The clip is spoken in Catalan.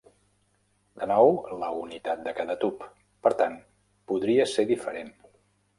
De nou, la unitat de cada tub, per tant, podria ser diferent.